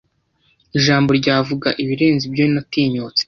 ijambo ryavuga ibirenze ibyo natinyutse